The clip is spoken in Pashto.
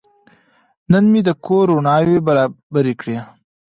نن مې د کور رڼاوې برابرې کړې.